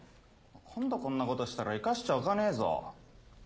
今度こんなことしたら生かしちゃおかねえぞ。